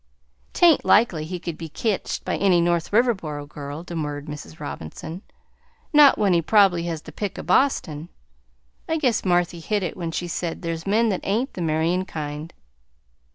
"'T ain't likely he could be ketched by any North Riverboro girl," demurred Mrs. Robinson; "not when he prob'bly has had the pick o' Boston. I guess Marthy hit it when she said there's men that ain't the marryin' kind."